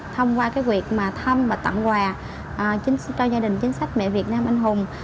thông qua việc thăm và tặng quà cho gia đình chính sách mẹ việt nam anh hùng